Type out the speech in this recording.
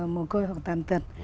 mồ côi hoặc tàn tật